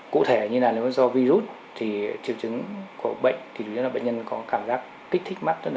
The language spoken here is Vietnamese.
cụ thể như là nếu do virus thì chiều chứng của bệnh thì đối với bệnh nhân có cảm giác kích thích mắt rất là nhiều